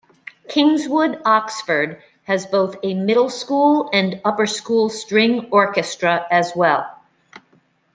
Kingswood Oxford has both a Middle School and Upper School string orchestra as well.